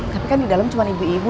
tapi kan di dalam cuma ibu ibu